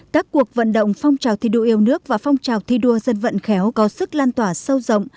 các cuộc vận động phong trào thi đua yêu nước và phong trào thi đua dân vận khéo có sức lan tỏa sâu rộng